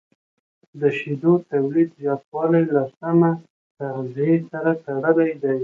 د شیدو تولید زیاتوالی له سمه تغذیې سره تړلی دی.